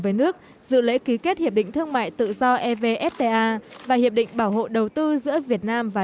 với nước dự lễ ký kết hiệp định thương mại tự do evfta và hiệp định bảo hộ đầu tư giữa việt nam và